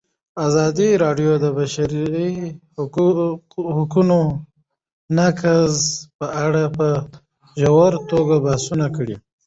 ازادي راډیو د د بشري حقونو نقض په اړه په ژوره توګه بحثونه کړي.